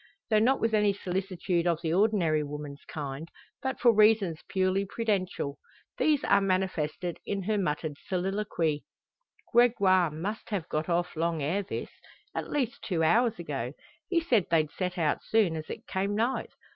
Though not with any solicitude of the ordinary woman's kind, but for reasons purely prudential. These are manifested in her muttered soliloquy: "Gregoire must have got off long ere this at least two hours ago. He said they'd set out soon as it came night.